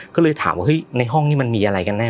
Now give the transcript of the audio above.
ก็เลยถามว่าเฮ้ยในห้องนี้มันมีอะไรกันแน่